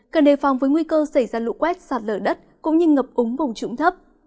cần đề phòng với nguy cơ xảy ra lũ quét sạt lở đất cũng như ngập úng vùng trũng thấp